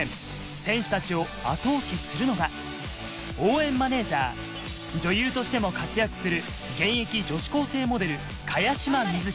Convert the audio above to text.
選手たちを後押しするのが応援マネージャー、女優としても活躍する現役女子高生モデル・茅島みずき。